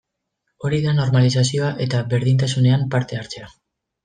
Hori da normalizazioa eta berdintasunean parte hartzea.